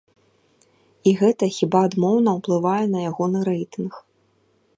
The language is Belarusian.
І гэта хіба адмоўна ўплывае на ягоны рэйтынг.